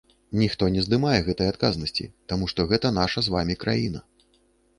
Ніхто не здымае гэтай адказнасці, таму што гэта наша з вамі краіна.